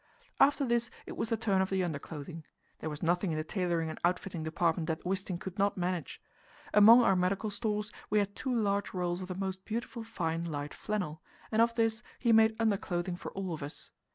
After this it was the turn of the underclothing; there was nothing in the tailoring and outfitting department that Wisting could not manage. Among our medical stores we had two large rolls of the most beautiful fine light flannel, and of this he made underclothing for all of us.